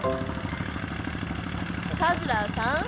カズラーさん！